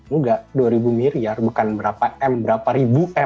nggak dua ribu miliar bukan berapa m berapa r